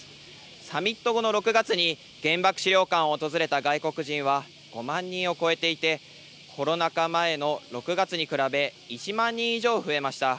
サミット後の６月に、原爆資料館を訪れた外国人は５万人を超えていて、コロナ禍前の６月に比べ、１万人以上増えました。